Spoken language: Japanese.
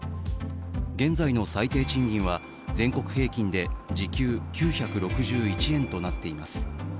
現在の最低賃金は全国平均で時給９６１円となっています。